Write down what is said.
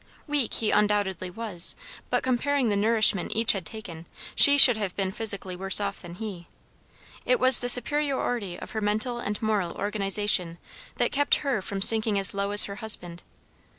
Weak he undoubtedly was, but comparing the nourishment each had taken, she should have been physically worse off than he. It was the superiority of her mental and moral organization that kept her from sinking as low as her husband.